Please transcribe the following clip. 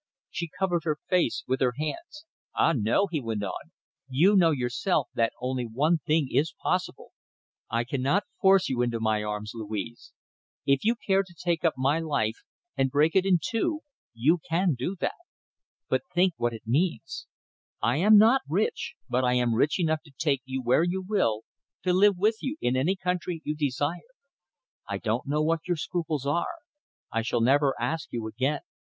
She covered her face with her hands. "Ah, no!" he went on. "You know yourself that only one thing is possible. I cannot force you into my arms, Louise. If you care to take up my life and break it in two, you can do it. But think what it means! I am not rich, but I am rich enough to take you where you will, to live with you in any country you desire. I don't know what your scruples are I shall never ask you again.